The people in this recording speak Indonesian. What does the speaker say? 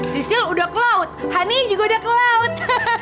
sisil udah ke laut honey juga udah ke laut